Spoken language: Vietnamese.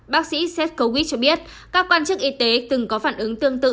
bác sĩ seth kowich cho biết các quan chức y tế từng có phản ứng tương tự